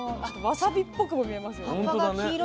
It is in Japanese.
あとわさびっぽくも見えますよね。